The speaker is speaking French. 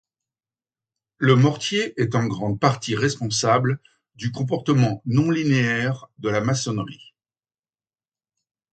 Le mortier est en grande partie responsable du comportement non linéaire de la maçonnerie.